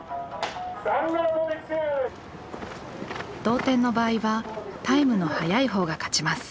同点の場合はタイムの速いほうが勝ちます。